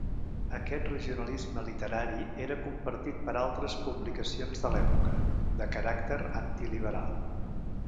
Aquest regionalisme literari era compartit per altres publicacions de l'època, de caràcter antiliberal.